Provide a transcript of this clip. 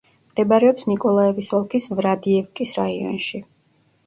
მდებარეობს ნიკოლაევის ოლქის ვრადიევკის რაიონში.